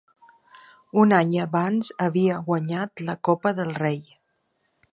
Un any abans havia guanyat la Copa del Rei.